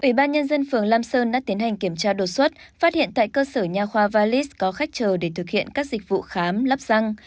ủy ban nhân dân phường lam sơn đã tiến hành kiểm tra đột xuất phát hiện tại cơ sở nhà khoalit có khách chờ để thực hiện các dịch vụ khám lắp răng